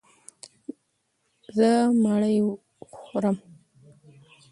زه مړۍ خورم.